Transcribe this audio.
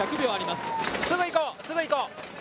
すぐいこう、すぐいこう。